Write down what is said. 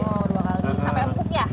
oh dua kali sampai empuk ya